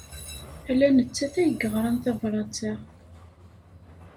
Ala nettat ay yeɣran tabṛat-a.